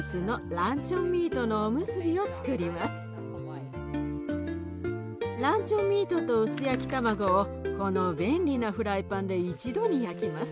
ランチョンミートと薄焼き卵をこの便利なフライパンで一度に焼きます。